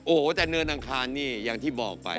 โอ้โหแต่เนินอังคารนี่อย่างที่บอกไป